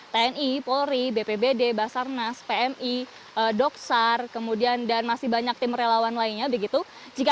ten clarifiedornas pmi doksar kemudian dan masih banyak nerelawan lainnya begitu jika